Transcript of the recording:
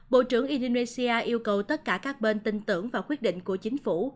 bộ trưởng indonesia yêu cầu tất cả các bên tin tưởng vào quyết định của chính phủ